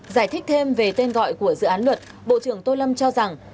giải thích thêm về tên gọi của dự án luật bộ trưởng tô lâm cho rằng